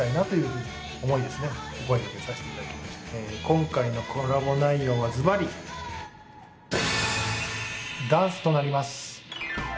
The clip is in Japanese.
今回のコラボ内容はズバリダンスとなります。